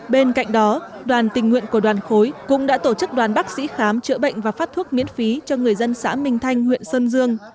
bên cạnh đó đoàn tình nguyện của đoàn khối cũng đã tổ chức đoàn bác sĩ khám chữa bệnh và phát thuốc miễn phí cho người dân xã minh thanh huyện sơn dương